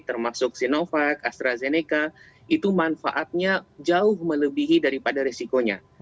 termasuk sinovac astrazeneca itu manfaatnya jauh melebihi daripada resikonya